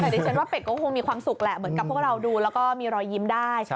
แต่ดิฉันว่าเป็ดก็คงมีความสุขแหละเหมือนกับพวกเราดูแล้วก็มีรอยยิ้มได้